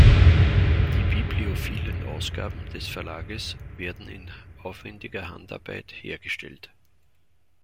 Die bibliophilen Ausgaben des Verlages werden in aufwendiger Handarbeit hergestellt.